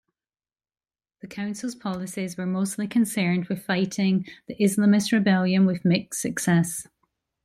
The Council's policies were mostly concerned with fighting the Islamist rebellion, with mixed success.